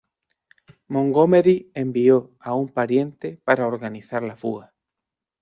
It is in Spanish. Montgomery envió a un pariente para organizar la fuga.